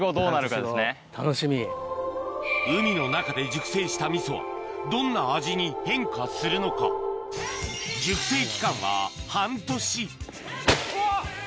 海の中で熟成した味噌はどんな味に変化するのか熟成期間は半年うわ！